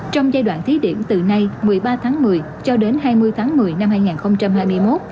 trong giai đoạn thí điểm từ nay một mươi ba tháng một mươi cho đến hai mươi tháng một mươi năm hai nghìn hai mươi một